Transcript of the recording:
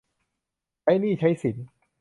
ใช้หนี้ใช้สิน